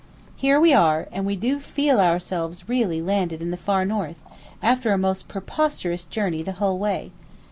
Here we are, and we do feel ourselves really landed in the far North, after a most prosperous journey the whole way.